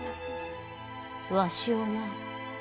わしをな！